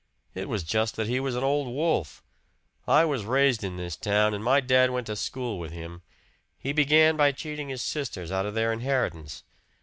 It was just that he was an old wolf. I was raised in this town, and my dad went to school with him. He began by cheating his sisters out of their inheritance.